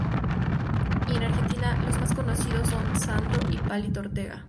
Y en Argentina los más conocidos son Sandro y Palito Ortega.